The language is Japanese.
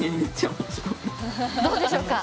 どうでしょうか！